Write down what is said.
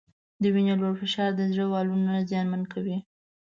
د وینې لوړ فشار د زړه والونه زیانمن کوي.